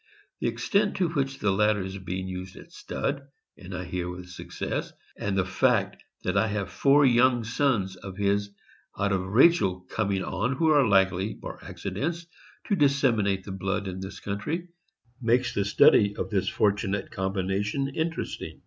The extent to which the latter is being used at stud — and I hear with success — and the fact that I have four young sons of his out of Rachel coming on who are likely, bar accidents, to dis seminate the blood in this country, makes the study of this fortunate combination interesting.